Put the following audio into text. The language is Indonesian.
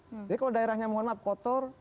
jadi kalau daerahnya mohon maaf kotor